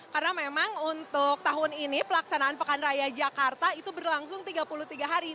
karena memang untuk tahun ini pelaksanaan pekaraya jakarta itu berlangsung tiga puluh tiga hari